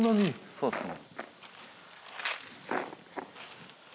そうっすね。